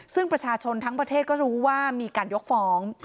ซึ่งประชาชนทั้งประเทศก็รู้ว่ามีการยกฟ้อง